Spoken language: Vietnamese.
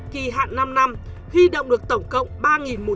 kỳ hạn năm năm huy động được tổng cộng